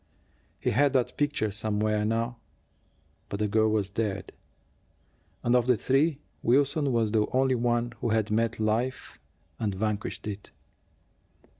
He had that picture somewhere now; but the girl was dead, and, of the three, Wilson was the only one who had met life and vanquished it.